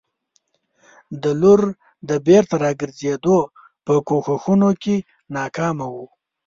د لور د بېرته راګرزېدو په کوښښونو کې ناکامه وو.